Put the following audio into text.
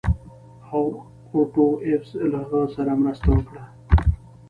اوټو ایفز له هغه سره مرسته وکړه.